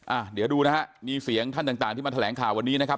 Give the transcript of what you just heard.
อ่ะเดี๋ยวดูนะฮะมีเสียงท่านต่างต่างที่มาแถลงข่าววันนี้นะครับ